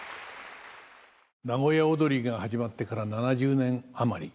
名古屋をどりが始まってから７０年余り。